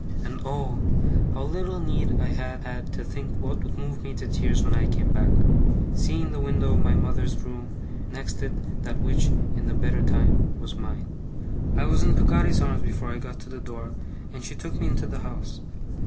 And oh, how little need I had had to think what would move me to tears when I came back seeing the window of my mother's room, and next it that which, in the better time, was mine! I was in Peggotty's arms before I got to the door, and she took me into the house.